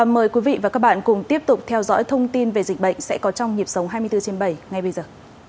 mời quý vị và các bạn cùng tiếp tục theo dõi thông tin về dịch bệnh sẽ có trong nhịp sống hai mươi bốn trên bảy ngay bây giờ